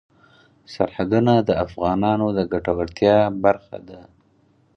سرحدونه د افغانانو د ګټورتیا برخه ده.